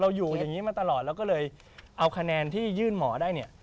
อยู่อย่างนี้มาตลอดเราก็เลยเอาคะแนนที่ยื่นหมอได้เนี่ย